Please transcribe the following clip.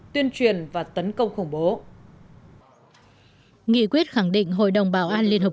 tuyên truyền và tấn công khủng bố nghị quyết khẳng định hội đồng bảo an liên hợp